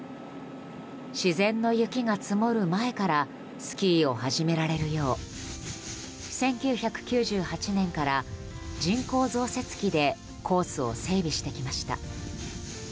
自然の雪が積もる前からスキーを始められるよう１９９８年から人工造雪機でコースを整備してきました。